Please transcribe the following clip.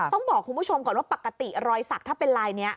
ต้องบอกคุณผู้ชมก่อนว่าปกติรอยสักถ้าเป็นลายนี้